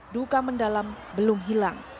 duka mendalam belum hilang